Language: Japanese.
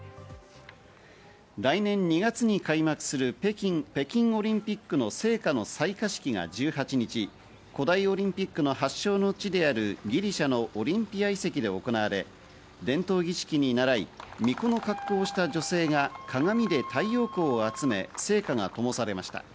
来年２月に開幕する北京オリンピックの聖火の採火式が１８日、古代オリンピックの発祥の地であるギリシャのオリンピア遺跡で行われ、伝統儀式にならい巫女の格好をした女性が鏡で太陽光を集め、聖火がともされました。